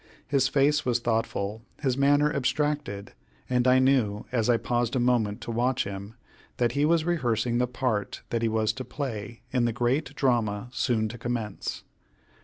His face was thoughtful, his manner abstracted, and I knew, as I paused a moment to watch him, that he was rehearsing the part that he was to play in the great drama soon to commence.